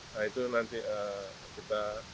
nah itu nanti kita